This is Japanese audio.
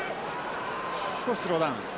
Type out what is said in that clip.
少しスローダウン。